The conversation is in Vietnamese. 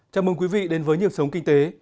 chào mừng quý vị đến với nhịp sống kinh tế